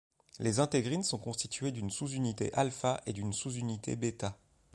Les intégrines sont constituées d'une sous-unité alpha et d'une sous-unité bêta.